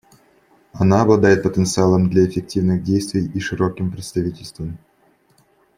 Она обладает потенциалом для эффективных действий и широким представительством.